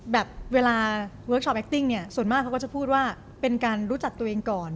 แบบเวลาเวิร์คชอปแอคติ้งเนี่ยส่วนมากเขาก็จะพูดว่าเป็นการรู้จักตัวเองก่อน